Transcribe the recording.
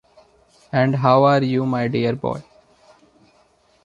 And how are you, my dear boy?